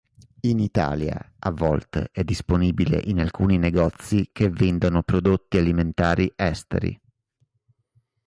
In Italia, a volte è disponibile in alcuni negozi che vendono prodotti alimentari esteri.